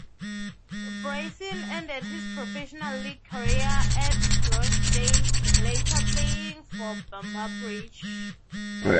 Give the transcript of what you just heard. Bryson ended his professional league career at Rochdale, later playing for Bamber Bridge.